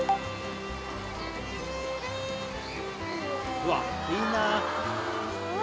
うわっいいなうわ